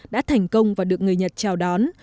đã thành công và được người nhật chào đón